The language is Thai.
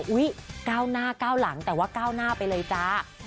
อุ๊ย๙หน้า๙หลังแต่ว่า๙หน้าไปเลยจ๊ะ